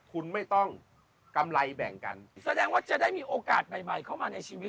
คุณไม่ต้องกำไรแบ่งกันแสดงว่าจะได้มีโอกาสใหม่ใหม่เข้ามาในชีวิต